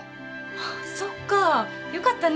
あっそっかよかったね。